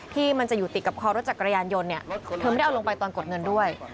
ที่มันจะอยู่ติดกับคอรถจักรยานยนต์เนี่ยเธอไม่ได้เอาลงไปตอนกดเงินด้วย